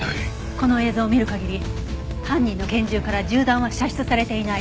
この映像を見る限り犯人の拳銃から銃弾は射出されていない。